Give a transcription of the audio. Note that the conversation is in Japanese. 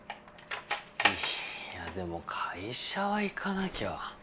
でも会社は行かなきゃ。